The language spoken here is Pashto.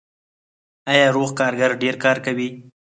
آیا روغ کارګر ډیر کار کوي؟